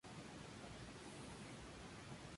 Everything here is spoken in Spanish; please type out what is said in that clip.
Se encuentra situado en la comarca de Tierra de Campos.